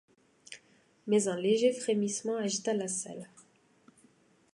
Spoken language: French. Mais un léger frémissement agita la salle.